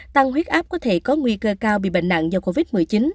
tăng huyết áp có thể có nguy cơ cao bị bệnh nặng do covid một mươi chín